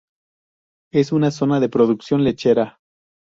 Es una zona de producción lechera.